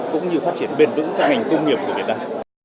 cũng như phát triển bền vững cho ngành công nghiệp của việt nam